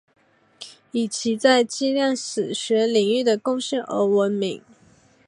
以其在计量史学领域的贡献而闻名。